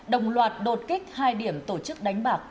đồng loạt đột kích hai điểm tổ chức đánh bạc